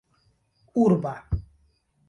urba